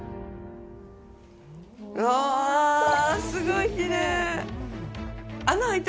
うわすごいきれい！